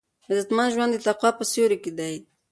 عزتمن ژوند د تقوا په سیوري کې دی.